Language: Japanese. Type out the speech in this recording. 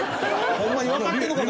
ホンマにわかってるのかな。